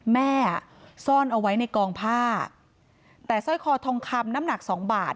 แม่ซ่อนเอาไว้ในกองผ้าแต่สร้อยคอทองคำน้ำหนักสองบาท